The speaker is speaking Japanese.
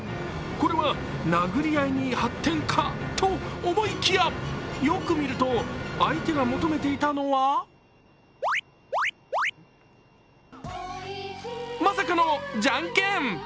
これは殴り合いに発展か？と思いきやよく見ると、相手が求めていたのはまさかの、じゃんけん。